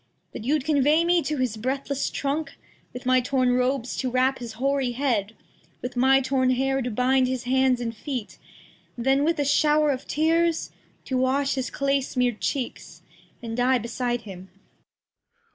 That you'd convey me to his breathless Trunk, With my torn Robes to wrap his hoary Head, With my torn Hair to bind his Hands and Feet, Then with a Show'r of Tears To wash his Clay smear'd Cheeks, and Die beside him.